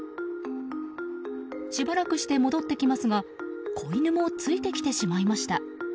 しばらくして戻ってきますが子犬もついてきてしまいました。